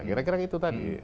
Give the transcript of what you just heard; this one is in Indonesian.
kira kira itu tadi